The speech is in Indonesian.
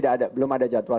dan hari ini belum ada jadwal